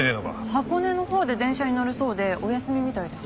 箱根のほうで電車に乗るそうでお休みみたいです。